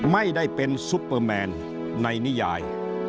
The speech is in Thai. ไม่ได้เป็นซุปเปอร์แมนในนิยาย